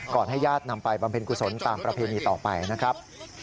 ให้ญาตินำไปบำเพ็ญกุศลตามประเพณีต่อไปนะครับ